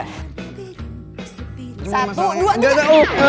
satu dua tiga